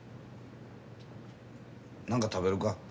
何か食べるか？